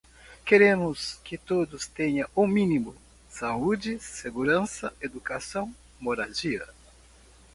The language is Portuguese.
Queremos que todos tenham o mínimo: saúde, segurança, educação, moradia